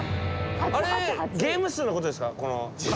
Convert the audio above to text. あれゲーム数のことですか？